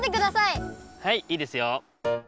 はいいいですよ。